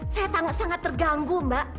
saya sangat terganggu mbak